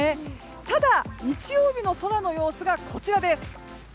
ただ、日曜日の空の様子がこちらです。